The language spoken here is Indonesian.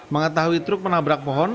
mengetahui truk menabrak pohon